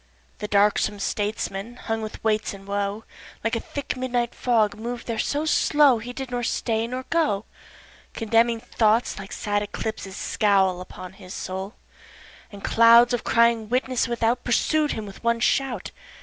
2. The darksome statesman hung with weights and woe Like a thick midnight fog mov'd there so slow He did nor stay, nor go; Condemning thoughts (like sad eclipses) scowl Upon his soul, And clouds of crying witnesses without Pursued him with one shout.